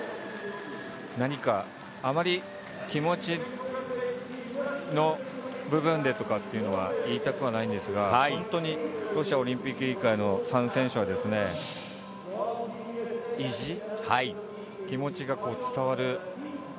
あまり気持ちの部分でとかっていうのは言いたくはないんですが、本当にロシアオリンピック委員会の３選手は、意地、気持ちが伝わる。